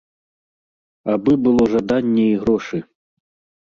Абы было жаданне і грошы.